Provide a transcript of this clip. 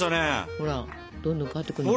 ほらどんどん変わってくるの。